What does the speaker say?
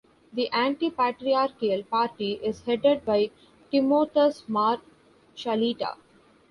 The anti-patriarchal party is headed by Timothaus Mar Shallita.